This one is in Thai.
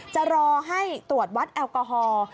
จะรอให้ตรวจวัดแอลกอฮอล์